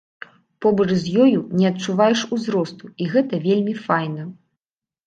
Побач з ёю не адчуваеш узросту, і гэта вельмі файна.